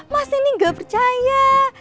mas ini enggak percaya